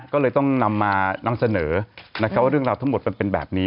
ก็เลยต้องนำมานั่งเสนอ